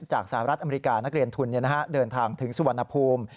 สหรัฐอเมริกานักเรียนทุนเดินทางถึงสุวรรณภูมิ